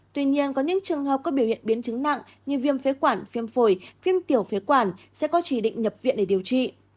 tuy nhiên có những trường hợp có biểu hiện biến chứng nặng như viêm phế quản viêm phổi viêm tiểu phế quản sẽ có chỉ định nhập viện để điều trị